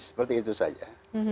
seperti itu saja